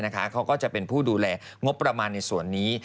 เขาก็จะเป็นผู้ดูแลงบประมาณในส่วนนี้